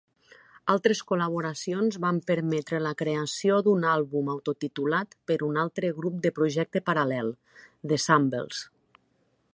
Altres col·laboracions van permetre la creació d'un àlbum autotitulat per un altre grup de projecte paral·lel, The Shambles.